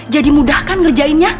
jadi mudah kan ngerjainnya